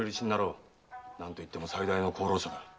何といっても最大の功労者だ。